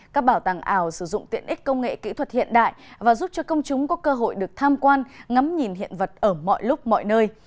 các bảo tàng ảo sử dụng tiện ích công nghệ kỹ thuật hiện đại và giúp cho công chúng có cơ hội được tham quan ngắm nhìn hiện vật ở mọi lúc mọi nơi